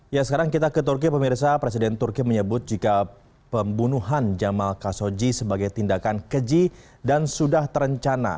ya sekarang kita ke turki pemirsa presiden turki menyebut jika pembunuhan jamal kasoji sebagai tindakan keji dan sudah terencana